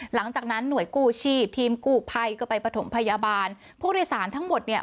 หลังจากนั้นหน่วยกู้ชีพทีมกู้ภัยก็ไปประถมพยาบาลผู้โดยสารทั้งหมดเนี่ย